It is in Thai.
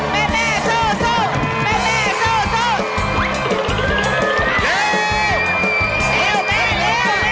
มีเวลาแม่มีเวลาแม่มีเวลา